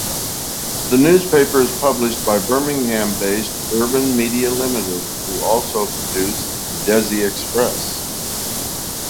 The newspaper is published by Birmingham-based Urban Media Limited who also produce "Desi Xpress".